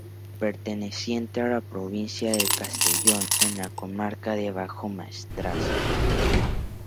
Perteneciente a la provincia de Castellón, en la comarca del Bajo Maestrazgo.